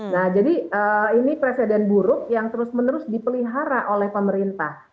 nah jadi ini presiden buruk yang terus menerus dipelihara oleh pemerintah